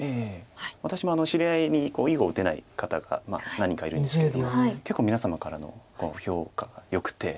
私も知り合いに囲碁を打てない方が何人かいるんですけれども結構皆様からの評価がよくて。